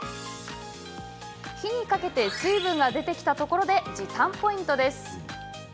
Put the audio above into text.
火にかけ水分が出てきたところで時短ポイント。